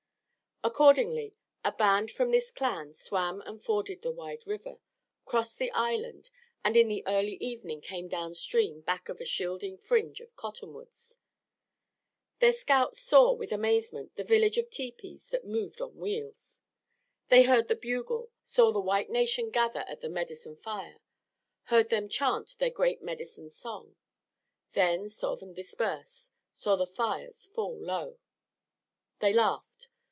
Accordingly a band from this clan swam and forded the wide river, crossed the island, and in the early evening came downstream back of a shielding fringe of cottonwoods. Their scouts saw with amazement the village of tepees that moved on wheels. They heard the bugle, saw the white nation gather at the medicine fire, heard them chant their great medicine song; then saw them disperse; saw the fires fall low. They laughed.